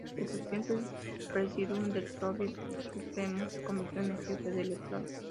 El Presidente del Presidium del Soviet Supremo se convirtió en jefe del Estado.